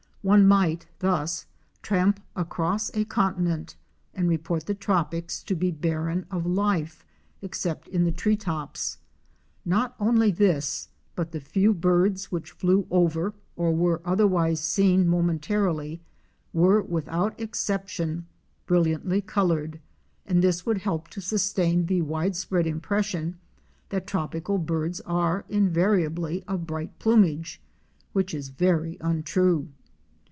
One might thus tramp across a continent and report the tropics to be barren of life, except in the tree tops. Not only this, but the few birds which flew over or were otherwise seen momentarily were without exception brilliantly colored, and this would help to sustain the wide spread impression that tropical birds are invariably of bright plumage, which is very untrue.